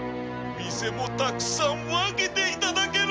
店もたくさん分けていただける！